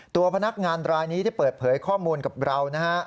ตัวพนักงานรายนี้ที่เปิดเผยข้อมูลกับเรานะฮะ